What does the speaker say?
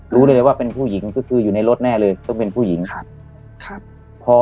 รู้ได้เลยว่าเป็นผู้หญิงก็คืออยู่ในรถแน่เลยต้องเป็นผู้หญิงครับ